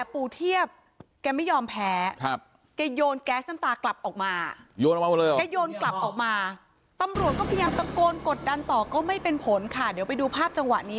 เปิดข้างหน้าแล้วก็ปิดแล้วนี้